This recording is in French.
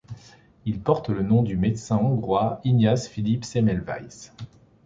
Il porte le nom du médecin hongrois Ignace Philippe Semmelweis.